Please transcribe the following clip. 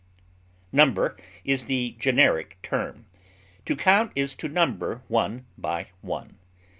Number is the generic term. To count is to number one by one.